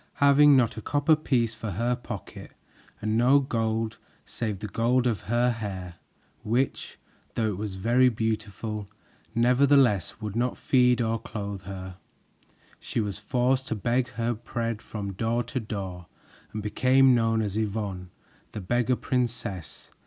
Having not a copper piece for her pocket and no gold save the gold of her hair, which, though it was very beautiful, nevertheless would not feed or clothe her, she was forced to beg her bread from door to door and became known as Yvonne, the Beggar Princess.